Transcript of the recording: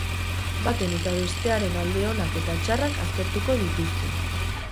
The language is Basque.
Baten eta bestearen alde onak eta txarrak aztertuko dituzte.